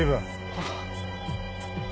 あっ。